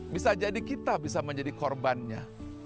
bisa jadi kita bisa menjadi korbannya